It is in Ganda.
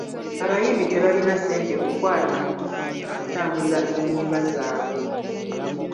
Abayimbi tebalina ssente kukwata na kutambuza ennyimba zaabwe.